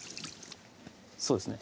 そうですね